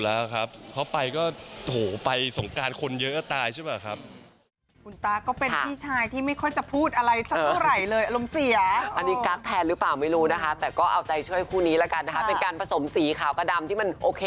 แล้วเค้าไปก็โหไปสงการคนเยอะตายใช่ป่ะครับ